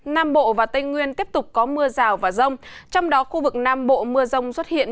nam bộ và tây nguyên tiếp tục có mưa rào và rông trong đó khu vực nam bộ mưa rông xuất hiện